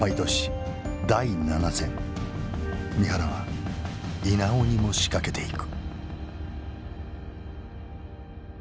三原は稲尾にも仕掛けていく。